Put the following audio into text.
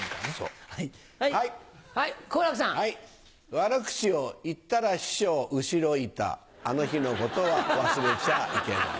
悪口を言ったら師匠後ろいたあの日の事は忘れちゃいけない。